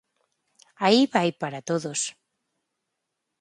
Aí vai para todos.